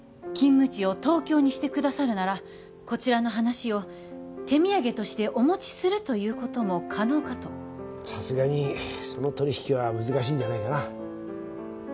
勤務地を東京にしてくださるならこちらの話を手土産としてお持ちするということも可能かとさすがにその取引は難しいんじゃないかな